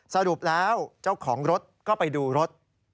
สรุปแล้วเจ้าของรถก็ไปดูรถ